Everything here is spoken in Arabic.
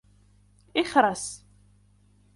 اخرس!